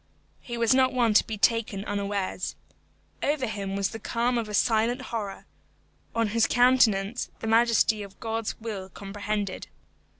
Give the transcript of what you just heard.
He was not one to be taken unawares. Over him was the calm of a silent horror: on his countenance the majesty of God's will comprehended.